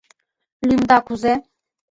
Лӱмда кузе?